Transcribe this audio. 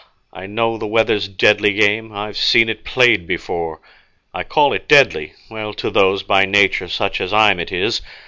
I know the weather's deadly game I've seen it played before. I call it deadly: well, to those By nature such as I'm, it is.